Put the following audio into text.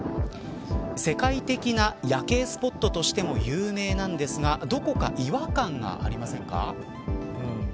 世界的な夜景スポットとしても有名なんですがどこか違和感がありませんか。